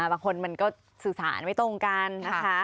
บางคนมันก็สื่อสารไม่ตรงกันนะคะ